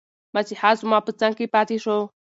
مسیحا زما په څنګ کې پاتي شو.